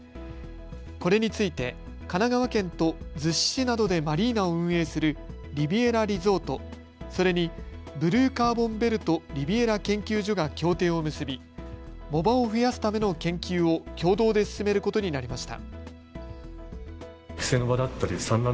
これについて神奈川県と逗子市などでマリーナを運営するリビエラリゾート、それにブルーカーボンベルト・リビエラ研究所が協定を結び藻場を増やすための研究を共同で進めることになりました。